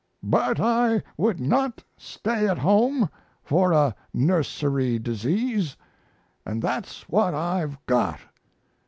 But I would not stay at home for a nursery disease, and that's what I've got.